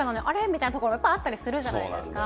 みたいなところやっぱりあったりするじゃないですか。